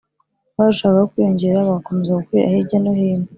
Barushagaho kwiyongera bagakomeza gukwira hirya no hino.